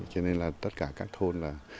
cho nên là tất cả các thôn